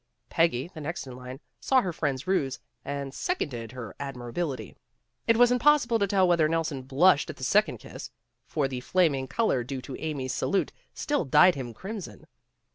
'' Peggy, the next in line, saw her friend's ruse, and seconded her admirably. It was impos sible to tell whether Nelson blushed at the sec ond kiss, for the flaming color due to Amy's salute still dyed him crimson.